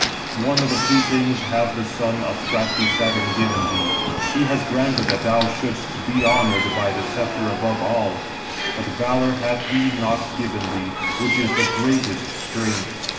One of two things hath the son of crafty Saturn given thee: he has granted that thou shouldst be honoured by the sceptre above all; but valour hath he not given thee, which is the greatest strength.